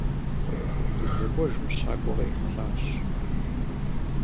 Къыздэкӏуэжым щакӏуэ кърихьэлӏащ.